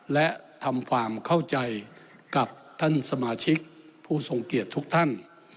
และทำความเข้าใจกับท่านสมาชิกผู้ทรงเกียรติทุกท่าน